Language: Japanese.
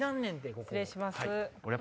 失礼します。